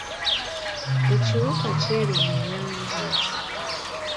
Ekiwuka kyeru mu langi.